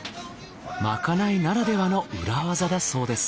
まかないならではの裏技だそうです。